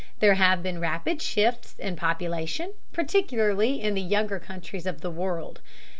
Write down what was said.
There have been rapid shifts in population, particularly in the younger countries of the world.